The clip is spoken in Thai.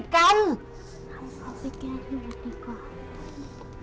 ให้เขาไปแก้ที่วัดดีกว่า